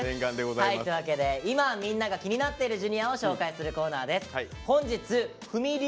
はいというわけで今みんなが気になってるＪｒ．を紹介するコーナーです。